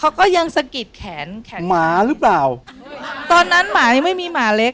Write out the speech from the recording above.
เขาก็ยังสะกิดแขนแขนหมาหรือเปล่าตอนนั้นหมายังไม่มีหมาเล็ก